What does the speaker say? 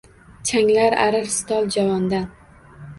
Changlar arir stol, javondan.